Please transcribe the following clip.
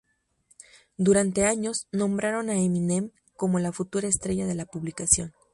Durante años, nombraron a Eminem como la futura estrella de la publicación.